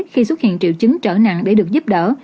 khi xuất hiện triệu chứng trở nặng để được giúp đỡ